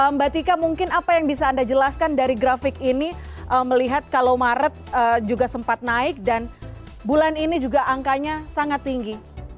mbak tika mungkin apa yang bisa anda jelaskan dari grafik ini melihat kalau maret juga sempat naik dan bulan ini juga angkanya sangat tinggi